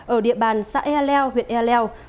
ở địa bàn xã ea leo huyện ea leo